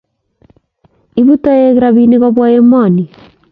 Ibu toek robinik kobwa emoni